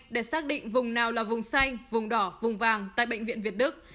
để xác định vùng nào là vùng xanh vùng đỏ vùng vàng tại bệnh viện việt đức